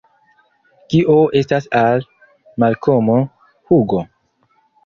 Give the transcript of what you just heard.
Kio estas al Malkomo, Hugo?